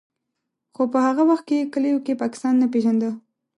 خو په هغه وخت کې کلیو کې پاکستان نه پېژانده.